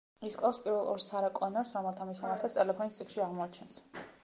ის კლავს პირველ ორ სარა კონორს რომელთა მისამართებს ტელეფონის წიგნში აღმოაჩენს.